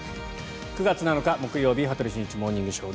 ９月７日、木曜日「羽鳥慎一モーニングショー」。